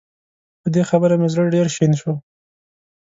په دې خبره مې زړه ډېر شين شو